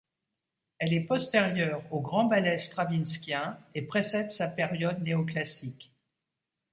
Elle est postérieure aux grands ballets stravinskiens et précède sa période néoclassique.